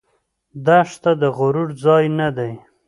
دښته د غرور ځای نه دی.